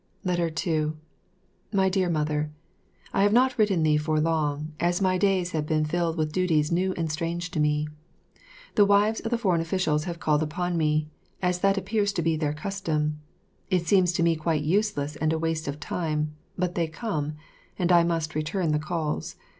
2 My Dear Mother, I have not written thee for long, as my days have been filled with duties new and strange to me. The wives of the foreign officials have called upon me, as that appears to be their custom. It seems to me quite useless and a waste of time; but they come, and I must return the calls.